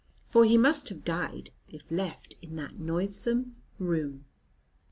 For he must have died, if left in that noisome room."